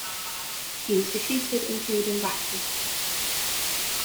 He was defeated and killed in battle.